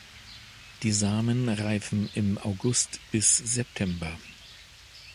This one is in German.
Die Samen reifen im August bis September.